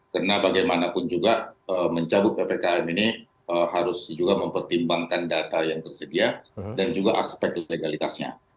karena bagaimanapun juga mencabut ppkn ini harus juga mempertimbangkan data yang tersedia dan juga aspek legalitasnya